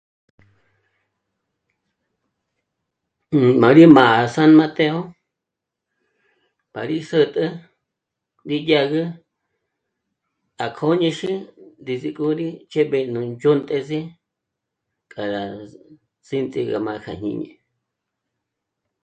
Nú m'â'a rí m'á à San Mateo pa rí sä̀tä ndídyàgü à kóñexé desde k'ó rí ch'éb'e nú ndzhônt'eze k'â rá síntji gá m'a kja jñini